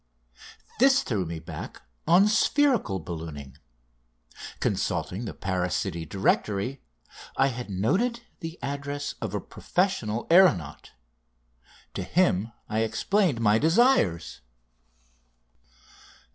This threw me back on spherical ballooning. Consulting the Paris city directory I had noted the address of a professional aeronaut. To him I explained my desires.